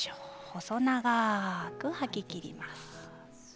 細長く吐ききります。